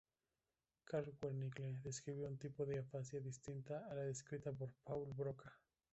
Carl Wernicke, describió un tipo de afasia distinta a la descrita por Paul Broca.